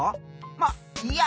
まっいいや！